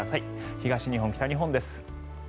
東日本、北日本です。